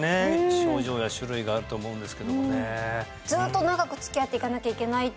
症状や種類があると思うんですけどもねがあります